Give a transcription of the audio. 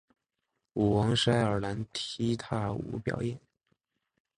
舞王是爱尔兰踢踏舞表演。